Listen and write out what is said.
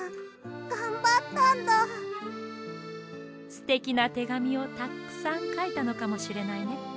すてきなてがみをたっくさんかいたのかもしれないね。